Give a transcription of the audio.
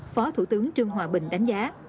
phó thủ tướng trương hòa bình đánh giá